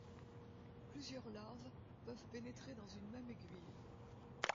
Plusieurs larves peuvent pénétrer dans une même aiguille.